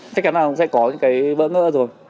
chắc chắn là cũng sẽ có những cái bỡ ngỡ rồi